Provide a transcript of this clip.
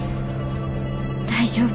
大丈夫。